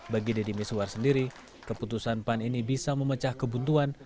bagi dedy mizwar sendiri keputusan pan ini bisa memecah kebutuhan